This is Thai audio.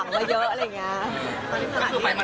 ก็คือพี่ที่อยู่เชียงใหม่พี่ออธค่ะ